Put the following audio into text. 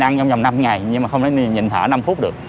năm ngày nhưng mà không thể nhìn thở năm phút được